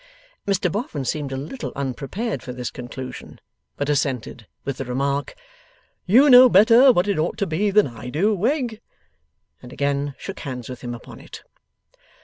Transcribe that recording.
Mr Boffin seemed a little unprepared for this conclusion, but assented, with the remark, 'You know better what it ought to be than I do, Wegg,' and again shook hands with him upon it.